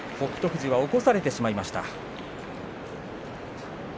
富士は起こされてしまいました。